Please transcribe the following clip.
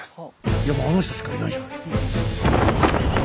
いやもうあの人しかいないじゃない。